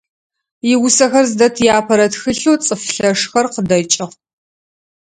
Иусэхэр зыдэт иапэрэ тхылъэу «Цӏыф лъэшхэр» къыдэкӏыгъ.